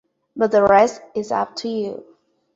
But the rest is up to you.